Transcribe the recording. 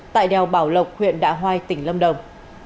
tại đèo bảo lộc huyện đạ hoai tỉnh lâm đồng